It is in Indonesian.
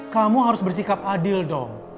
kamu harus bersikap adil dong